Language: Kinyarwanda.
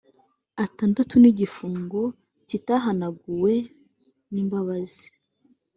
atandatu y igifungo kitahanaguwe n imbabazi